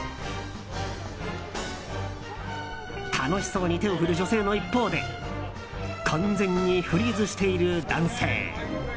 楽しそうに手を振る女性の一方で完全にフリーズしている男性。